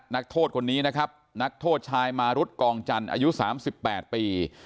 นักโทษคนนี้นะครับนักโทษชายมารุธกองจันทร์อายุ๓๘ปี